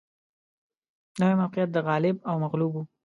نوي موقعیت د غالب او مغلوب و